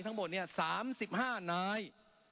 ทั้งหมดเนี่ย๓๕นาย